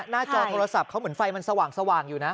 จอโทรศัพท์เขาเหมือนไฟมันสว่างอยู่นะ